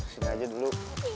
sini aja dulu